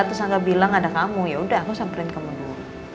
terus angga bilang ada kamu yaudah aku sampelin kamu dulu